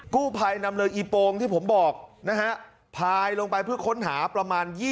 กู้ภัยนำเรืออีโปงที่ผมบอกนะฮะพายลงไปเพื่อค้นหาประมาณ